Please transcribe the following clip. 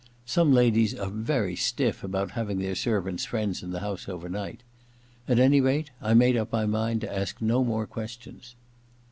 Some ladies are very stiff about having their servants' friends in the house overnight. At any rate, I made up my mind to ask no more questions.